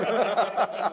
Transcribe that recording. ハハハハッ。